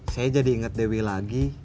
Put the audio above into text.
saya jadi ingat dewi lagi